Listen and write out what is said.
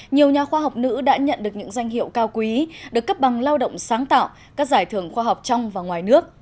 nhiều nhà khoa học nữ đã nhận được những danh hiệu cao quý được cấp bằng lao động sáng tạo các giải thưởng khoa học trong và ngoài nước